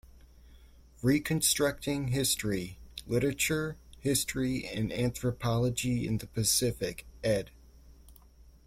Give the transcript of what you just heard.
"Reconstructing History: Literature, History, and Anthropology in the Pacific." Ed.